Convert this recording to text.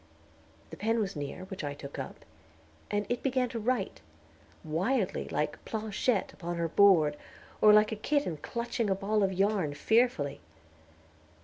A pen was near, which I took up, and it began to write, wildly like "Planchette" upon her board, or like a kitten clutching a ball of yarn fearfully.